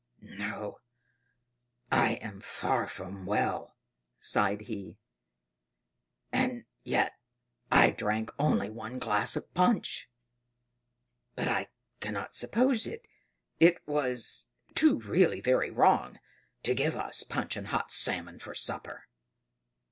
"No I am far from well," sighed he; "and yet I drank only one glass of punch; but I cannot suppose it it was, too, really very wrong to give us punch and hot salmon for supper.